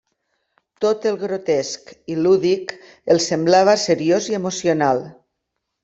Tot el grotesc i lúdic els semblava seriós i emocional.